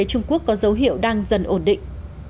kinh tế trung quốc có dấu hiệu đang dần ổn định